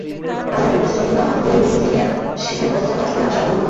কাজে লাগবে কোচ চন্ডিকা হাথুরুসিংহের সেখানে বছর চারেক কাজ করে আসার অভিজ্ঞতাও।